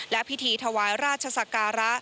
และพิธีถวายราชศักระ